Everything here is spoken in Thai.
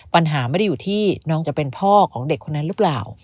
ปัญหาไม่ได้อยู่ที่น้องจะเป็นพ่อของเด็กคนนั้นหรือเปล่า